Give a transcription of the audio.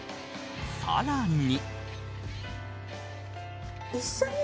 更に。